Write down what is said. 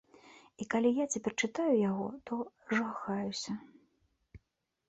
І калі я цяпер чытаю яго, то жахаюся.